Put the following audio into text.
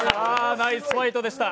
ナイスファイトでした。